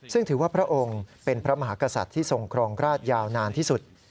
ซึ่งถือว่าพระองค์เป็นพระมหากษัตริย์ที่ทรงครองราชยาวนานที่สุด